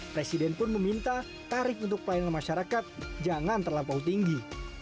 presiden pun meminta tarif untuk pelayanan masyarakat jangan terlampau tinggi